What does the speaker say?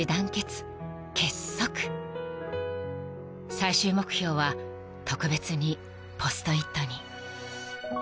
［最終目標は特別にポストイットに］